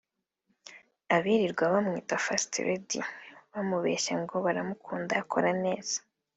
Abirirwa bamwita First Lady bamubeshya ngo baramukunda akora neza